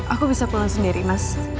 aku bisa pulang sendiri mas